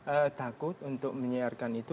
iya sebagian media takut untuk menyiarkan ini